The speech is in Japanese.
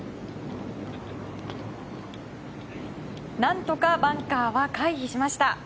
何とかバンカーは回避しました。